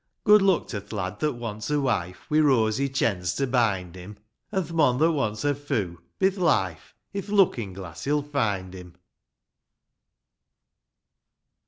Good luck to th' lad that wants a wife, Wi' rosy chens^ to bind him ! An' th' mon that wants a foo, — bi th' life, — I'th lookin' glass he'll find him